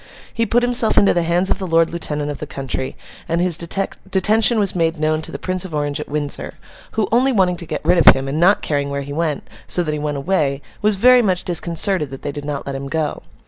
He put himself into the hands of the Lord Lieutenant of the county, and his detention was made known to the Prince of Orange at Windsor—who, only wanting to get rid of him, and not caring where he went, so that he went away, was very much disconcerted that they did not let him go.